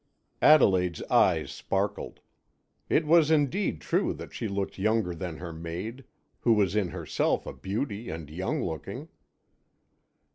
Adelaide's eyes sparkled. It was indeed true that she looked younger than her maid, who was in herself a beauty and young looking.